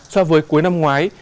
so với cuối năm ngoái